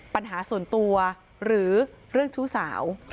ปัญหาส่วนตัวหรือเรื่องชู้สาว